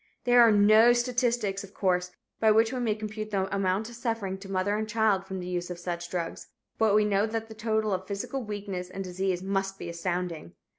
There are no statistics, of course, by which we may compute the amount of suffering to mother and child from the use of such drugs, but we know that the total of physical weakness and disease must be astounding.